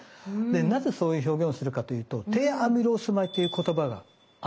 なぜそういう表現をするかというと低アミロース米という言葉があるんです。